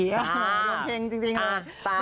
รวมเพลงจริง